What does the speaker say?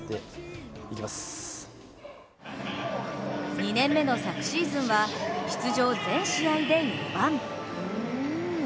２年目の昨シーズンは出場全試合で４番。